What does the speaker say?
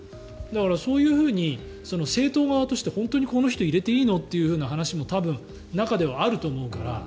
そういうふうに政党側として本当にこの人を入れていいのという話も、中ではあると思うから。